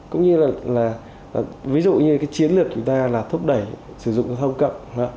cũng như là ví dụ như chiến lược chúng ta là thúc đẩy sử dụng giao thông cậm